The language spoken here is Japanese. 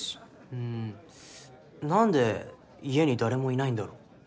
うん何で家に誰もいないんだろう？